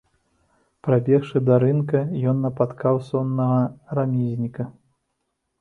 Прабегшы да рынка, ён напаткаў соннага рамізніка.